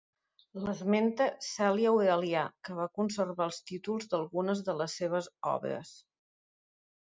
L'esmenta Celi Aurelià que va conservar els títols d'algunes de les seves obres.